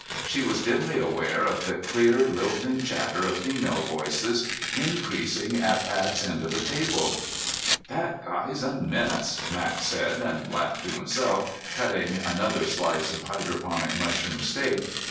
She was dimly aware of the clear lilting chatter of female voices increasing at Pat's end of the table. "That guy's a menace," Max said, and laughed to himself, cutting another slice of hydroponic mushroom steak.